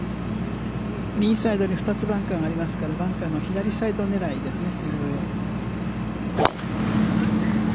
右サイドに２つバンカーがありますからバンカーの左サイド狙いですかね。